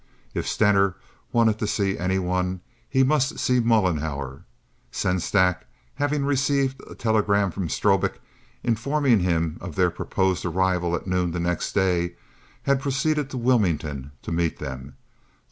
If Stener wanted to see any one he must see Mollenhauer. Sengstack, having received a telegram from Strobik informing him of their proposed arrival at noon the next day, had proceeded to Wilmington to meet them.